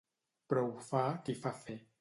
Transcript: Prou fa qui fa fer.